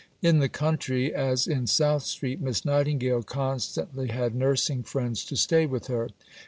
In the country, as in South Street, Miss Nightingale constantly had nursing friends to stay with her.